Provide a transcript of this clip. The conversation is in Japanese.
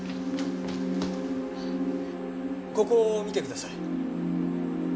ここを見てください。